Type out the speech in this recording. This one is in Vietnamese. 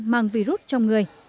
mang virus trong người